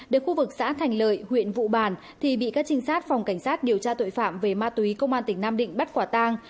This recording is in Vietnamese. đến khu vực xã thành lợi huyện vụ bàn thì bị các trinh sát phòng cảnh sát điều tra tội phạm về ma túy công an tỉnh nam định bắt quả tang